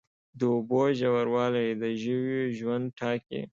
د اوبو ژوروالی د ژویو ژوند ټاکي.